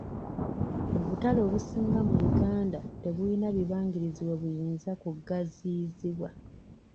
Obutale obusinga mu Uganda tebuyina bibangirizi we buyinza kugaziyirizibwa.